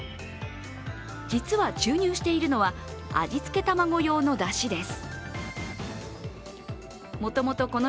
実は注入しているのは味付け卵用のだしです。